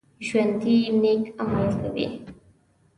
ژوندي نیک عمل کوي